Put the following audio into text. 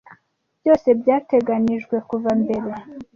byose byateganijwe kuva mbere